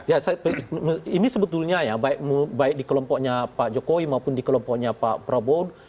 ya ini sebetulnya ya baik di kelompoknya pak jokowi maupun di kelompoknya pak prabowo